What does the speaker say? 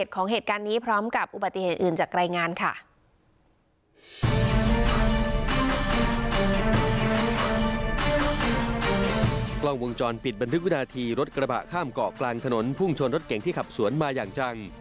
กล้องวงจรปิดบันทึกวินาทีรถกระบะข้ามเกาะกลางถนนพุ่งชนรถเก่งที่ขับสวนมาอย่างจัง